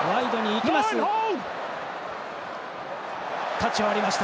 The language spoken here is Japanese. タッチを割りました。